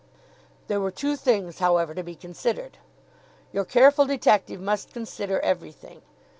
There were two things, however, to be considered. Your careful detective must consider everything.